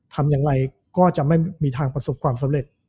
ทำอย่างไรก็จะไม่มีทางประสบความสำเร็จ